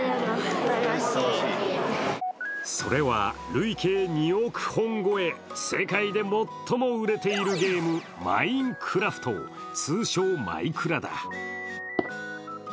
それは、累計２億本超え世界で最も売れているゲーム「マインクラフト」、通称「マイクラ」だ。